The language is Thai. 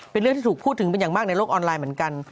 เป็นเรื่องที่ถูกพูดถึงเป็นอย่างมากในโลกออนไลน์เหมือนกัน